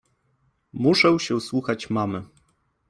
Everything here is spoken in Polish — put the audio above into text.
Muszę się słuchać mamy.